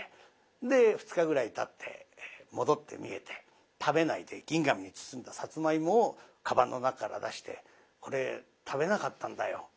で２日ぐらいたって戻ってみえて食べないで銀紙に包んださつまいもをかばんの中から出して「これ食べなかったんだよ。